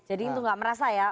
jadi itu gak merasa ya